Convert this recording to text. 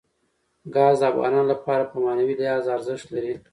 ګاز د افغانانو لپاره په معنوي لحاظ ارزښت لري.